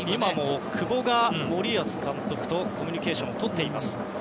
久保が森保監督とコミュニケーションをとっています。